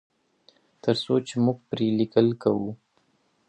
تر څو چې موږ پرې لیکل کوو.